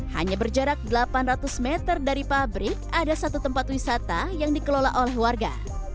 hanya berjarak delapan ratus meter dari pabrik ada satu tempat wisata yang dikelola oleh warga